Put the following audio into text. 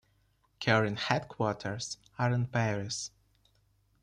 Kering headquarters are in Paris.